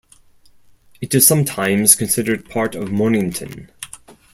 It is sometimes considered part of Mornington.